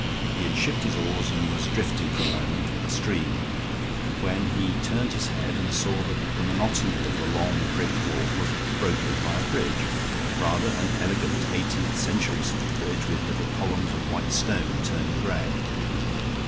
He had shipped his oars and was drifting for a moment with the stream, when he turned his head and saw that the monotony of the long brick wall was broken by a bridge; rather an elegant eighteenth century sort of bridge with little columns of white stone turning gray.